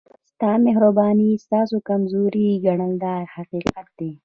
ستا مهرباني ستاسو کمزوري ګڼي دا حقیقت دی.